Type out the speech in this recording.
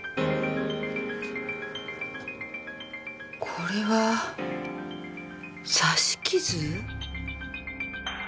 これは。刺し傷？